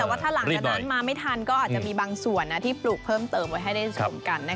แต่ว่าถ้าหลังจากนั้นมาไม่ทันก็อาจจะมีบางส่วนที่ปลูกเพิ่มเติมไว้ให้ได้ชมกัน